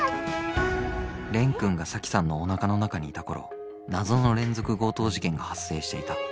蓮くんが沙樹さんのおなかの中にいた頃謎の連続強盗事件が発生していた。